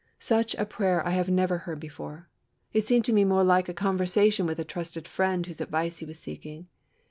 Such a prayer I have never heard before! It seemed to me more like a conversation with a trusted friend whose advice he was seeking.